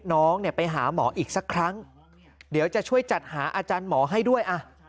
น้องเนี่ยไปหาหมออีกสักครั้งเดี๋ยวจะช่วยจัดหาอาจารย์หมอให้ด้วย